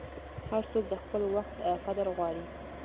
هر څوک د خپل وخت قدر غواړي.